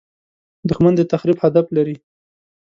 دښمن د تخریب هدف لري